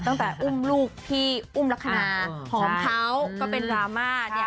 ตั้งแต่อุ้มลูกพี่อุ้มลักษณะหอมเขาก็เป็นดราม่าเนี่ย